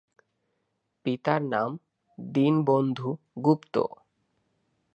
পিতার নাম দীনবন্ধু গুপ্ত।